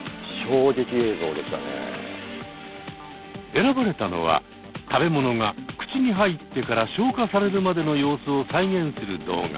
選ばれたのは食べ物が口に入ってから消化されるまでの様子を再現する動画。